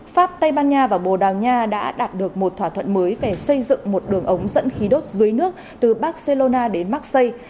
pháp tây ban nha và bồ đào nha đã đạt được một thỏa thuận mới về xây dựng một đường ống dẫn khí đốt dưới nước từ barcelona đến marksi